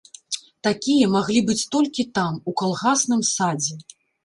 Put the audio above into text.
Такія маглі быць толькі там, у калгасным садзе!